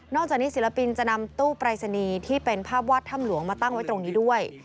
จากนี้ศิลปินจะนำตู้ปรายศนีย์ที่เป็นภาพวาดถ้ำหลวงมาตั้งไว้ตรงนี้ด้วย